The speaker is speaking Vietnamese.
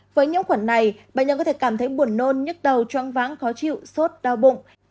với nhiễm khuẩn này bệnh nhân có thể cảm thấy buồn nôn nhức đầu choang váng khó chịu sốt đau bụng